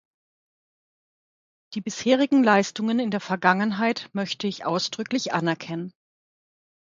Die bisherigen Leistungen in der Vergangenheit möchte ich ausdrücklich anerkennen.